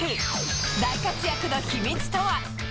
大活躍の秘密とは。